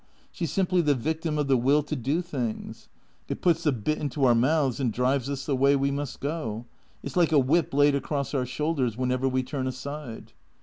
She 's simply the victim of the Will to do things. It puts the bit into our mouths and drives us the way we must go. It 's like a whip laid across our shoulders whenever we turn aside."